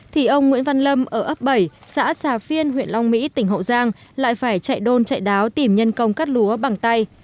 thì ông nguyễn văn lâm ở ấp bảy xã xà phiên huyện long mỹ tỉnh hậu giang lại phải chạy đôn chạy đáo tìm nhân công cắt lúa bằng tay